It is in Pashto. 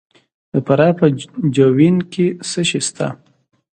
د فراه په جوین کې څه شی شته؟